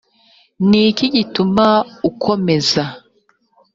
ni iki gituma ukomeza